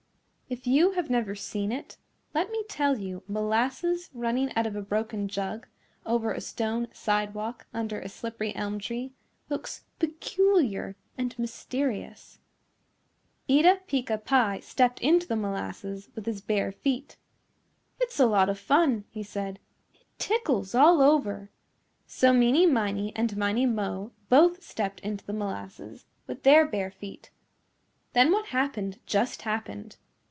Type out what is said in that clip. If you have never seen it, let me tell you molasses running out of a broken jug, over a stone sidewalk under a slippery elm tree, looks peculiar and mysterious. [Illustration: They stepped into the molasses with their bare feet] Eeta Peeca Pie stepped into the molasses with his bare feet. "It's a lotta fun," he said. "It tickles all over." So Meeney Miney and Miney Mo both stepped into the molasses with their bare feet. Then what happened just happened.